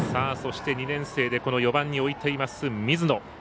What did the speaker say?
そして２年生で４番に置いています水野。